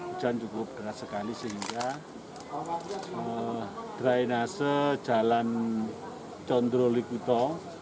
hujan cukup deras sekali sehingga drainase jalan condro likuto